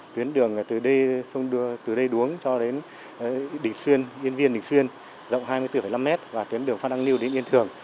tuyến đường từ đây đuống cho đến yên viên đình xuyên rộng hai mươi bốn năm m và tuyến đường phan đăng niêu đến yên thường